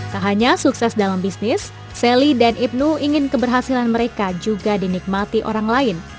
tak hanya sukses dalam bisnis sally dan ibnu ingin keberhasilan mereka juga dinikmati orang lain